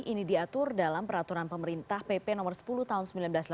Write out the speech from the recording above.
ini diatur dalam peraturan pemerintah pp nomor sepuluh tahun seribu sembilan ratus delapan puluh